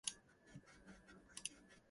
Some Indians sold land to the newcomers.